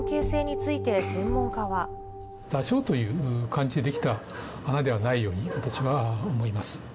座礁という感じで出来た穴ではないように、私は思います。